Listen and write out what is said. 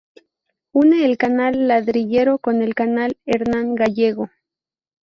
Une el canal Ladrillero con el canal Hernán Gallego.